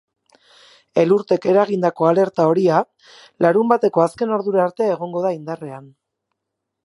Elurteek eragindako alerta horia larunbateko azken ordura arte egongo da indarrean.